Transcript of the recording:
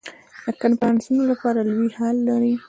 د کنفرانسونو لپاره لوی هال لري.